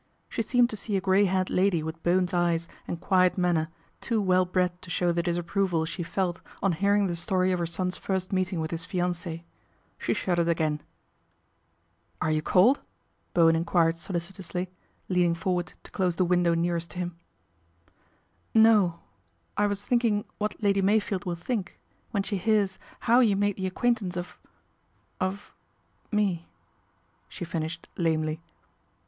She seemed to see a grey haired lad with Bowen's eyes and quiet manner, too wel bred to show th disapproval she felt on hearin A TACTICAL BLUNDER 187 the story of her son's first meeting with his fiance". She shuddered again. " Are you cold ?" Bo wen enquired solicitously, leaning forward to close the window nearest to him. " No, I was thinking what Lady Mey field will think when she hears how you made the acquaint ance of of me," she finished lamely.